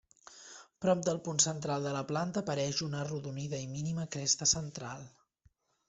Prop del punt central de la planta apareix una arrodonida i mínima cresta central.